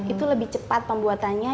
itu lebih cepat pembuatannya